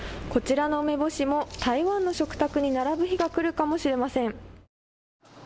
こちらの梅干しも台湾の食卓に並ぶ日が来るかもしれません。